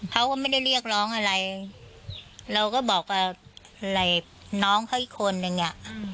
เขาก็ไม่ได้เรียกร้องอะไรเราก็บอกกับน้องเขาอีกคนนึงอ่ะ